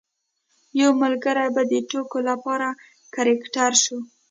یو ملګری به د ټوکو لپاره کرکټر شو.